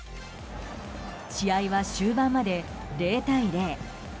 試合は終盤まで０対０。